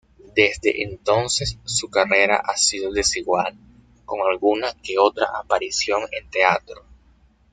Desde entonces su carrera ha sido desigual, con alguna que otra aparición en teatro.